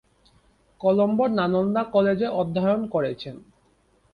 কলম্বোর নালন্দা কলেজে অধ্যয়ন করেছেন।